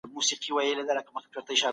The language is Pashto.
ډېره ګرمي انسان قهرجن کوي.